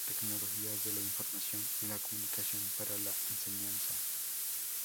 Tecnologías de la información y la comunicación para la enseñanza